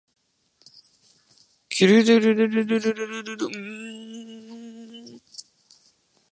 きゅるるるるるるるるんんんんんん